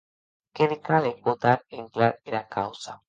Que li calec botar en clar era causa.